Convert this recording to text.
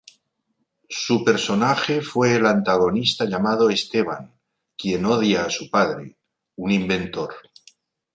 Su personaje fue el antagonista llamado Esteban, quien odia a su padre, un inventor.